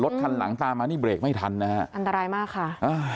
คันหลังตามมานี่เบรกไม่ทันนะฮะอันตรายมากค่ะอ่า